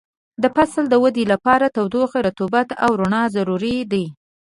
د فصل د ودې لپاره تودوخه، رطوبت او رڼا ضروري دي.